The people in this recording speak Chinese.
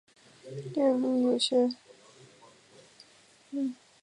例如有些病人报告说在儿童时代曾遭受虐待和欺凌。